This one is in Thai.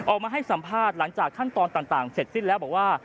ออกมาให้สัมภาษณ์หลังจากขั้นตอนต่างเสร็จสิ้นแล้วบอกว่า